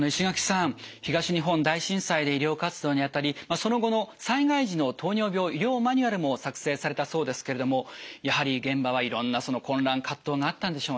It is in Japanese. その後の災害時の糖尿病医療マニュアルも作成されたそうですけれどもやはり現場はいろんな混乱葛藤があったんでしょうね。